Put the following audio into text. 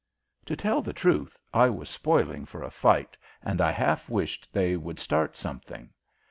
To tell the truth, I was spoiling for a fight and I half wished they would start something.